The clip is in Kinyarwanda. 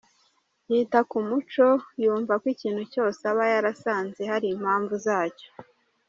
Yita ku muco , yumva ko ikintu cyose aba yarasanze hari impamvu zacyo.